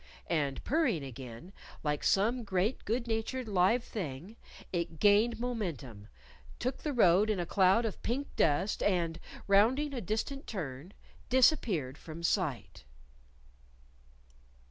And purring again, like some great good natured live thing, it gained momentum, took the road in a cloud of pink dust, and, rounding a distant turn, disappeared from sight.